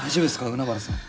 海原さん。